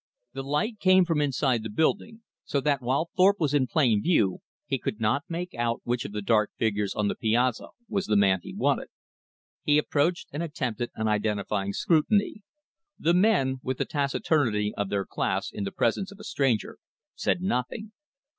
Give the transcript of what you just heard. The light came from inside the building, so that while Thorpe was in plain view, he could not make out which of the dark figures on the piazza was the man he wanted. He approached, and attempted an identifying scrutiny. The men, with the taciturnity of their class in the presence of a stranger, said nothing.